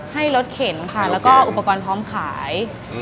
ให้รถเข็นค่ะแล้วก็อุปกรณ์พร้อมขาย